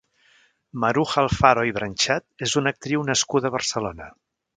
Maruja Alfaro i Brenchat és una actriu nascuda a Barcelona.